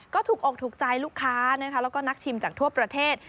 ก็ถูกอกถูกใจลูกค้านะคะแล้วก็นักชิมจากทั่วประเทศ